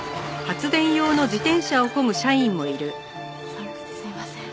寒くてすいません。